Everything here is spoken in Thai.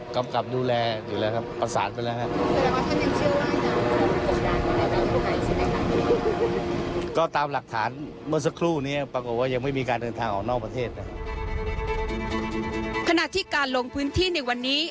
ขณะที่การลงพื้นที่ในวันนี้